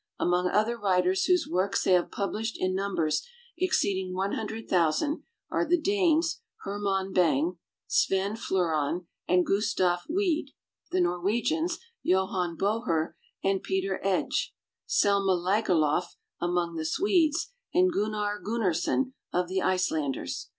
Among other writers whose works they have published in numbers exceeding 100, 000 are the Danes Hermann Bang, Sven Fleuron, and Gustav Wied, the Norwegians Johan Bojer and Peter Egge, Selma Lagerlof among the Swedes, and Gunnar Gunnarson of the Icelanders.